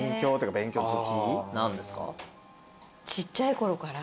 ちっちゃいころから？